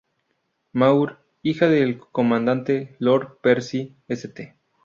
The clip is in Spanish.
Maur, hija del comandante lord Percy St.